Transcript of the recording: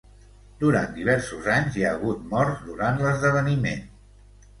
Durant diversos anys hi ha hagut morts durant l'esdeveniment.